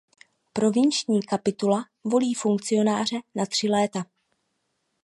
Provinční kapitula volí funkcionáře na tři léta.